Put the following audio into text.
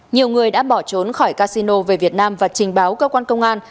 nhiều người đã bỏ trốn khỏi casino về việt nam và trình báo cơ quan công an